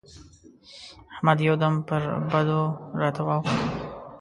احمد يو دم پر بدو راته واووښت.